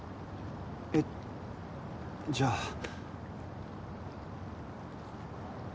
えっ？じゃあ。